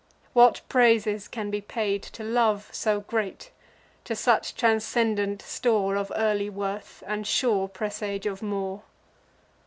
what praises can be paid To love so great, to such transcendent store Of early worth, and sure presage of more?